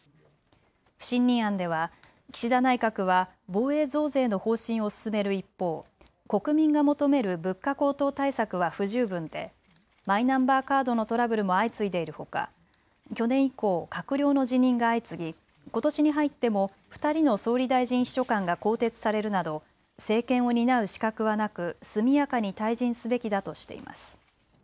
不信任案では岸田内閣は防衛増税の方針を進める一方、国民が求める物価高騰対策は不十分でマイナンバーカードのトラブルも相次いでいるほか去年以降、閣僚の辞任が相次ぎことしに入っても２人の総理大臣秘書官が更迭されるなど政権を担う資格はなく速やかに退陣すべきだとしています。